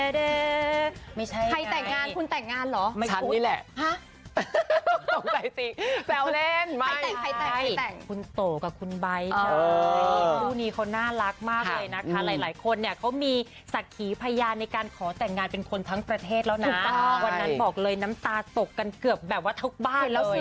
เด้ยเต้เต้ใส่ไม้เด้ยไม่ใช่ใครแต่งอาณคุณแต่งงานเหรอไม่ใช่นี่แหละจะต้องใจมี